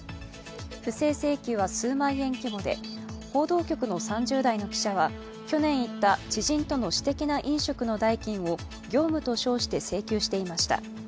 不正請求は数万円規模で、報道局の３０代の記者は、去年行った知人との私的な飲食の代金を業務と称して請求していました。